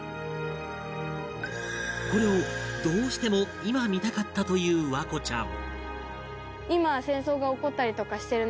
これをどうしても今見たかったという環子ちゃん